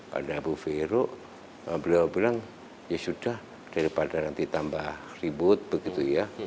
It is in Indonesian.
pada bu vero beliau bilang ya sudah daripada nanti tambah ribut begitu ya